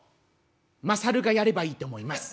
「まさるがやればいいと思います。